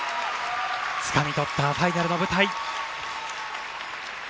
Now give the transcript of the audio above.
つかみ取ったファイナルの舞台。